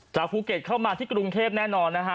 ภูเก็ตเข้ามาที่กรุงเทพแน่นอนนะฮะ